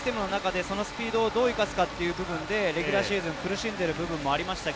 その中でチームのシステムの中でそのスピードをどう生かすかという部分で、レギュラーシーズン、苦しんでいる部分がありましたが、